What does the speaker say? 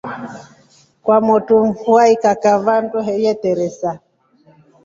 Kwamotu mfua ikakava ndwehe yeteresa.